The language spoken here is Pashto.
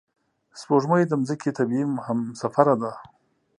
سپوږمۍ د ځمکې طبیعي همسفره ده